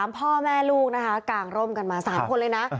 พ่อแม่ลูกนะคะกางร่มกันมา๓คนเลยนะ